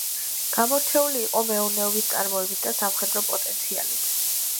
გამორჩეული იყო მეურნეობის წარმოებით და სამხედრო პოტენციალით.